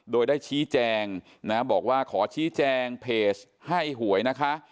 โดยได้ชี้แจงนะบอกว่าขอชี้แจงเพจให้หวยนะคะ